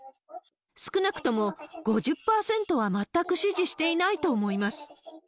少なくとも５０％は全く支持していないと思います。